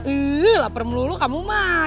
ih lapar melulu kamu mah